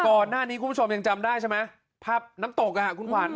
ก่อนหน้านี้คุณผู้ชมยังจำได้ใช่ไหมภาพน้ำตกอ่ะคุณขวาน